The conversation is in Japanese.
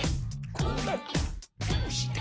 こうなった？